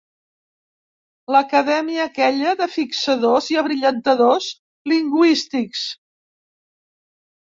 L'acadèmia aquella de fixadors i abrillantadors lingüístics.